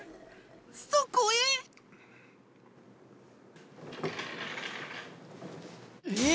そこへえ！